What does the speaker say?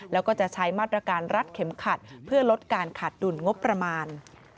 แล้วก็จะใช้มาตรการรัดเข็มขัดเพื่อลดการขาดดุลงบประมาณ